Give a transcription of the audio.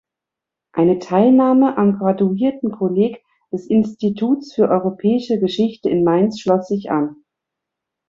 Eine Teilnahme am Graduiertenkolleg des Instituts für Europäische Geschichte in Mainz schloss sich an.